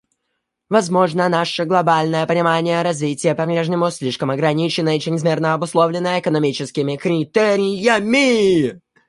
Возможно, наше глобальное понимание развития по-прежнему слишком ограничено и чрезмерно обусловлено экономическими критериями.